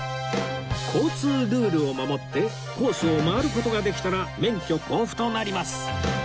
交通ルールを守ってコースを回る事ができたら免許交付となります！